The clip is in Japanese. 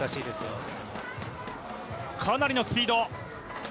かなりのスピード。